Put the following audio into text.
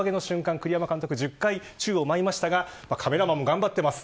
栗山監督が１０回宙を舞いましたがカメラマンも頑張っています。